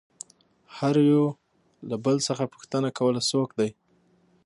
هر يوه له بل څخه پوښتنه کوله څوک دى.